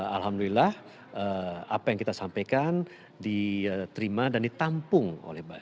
alhamdulillah apa yang kita sampaikan diterima dan ditampung oleh baik